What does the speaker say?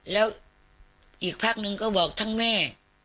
แล้วอีกพักนึงก็บอกทั้งแม่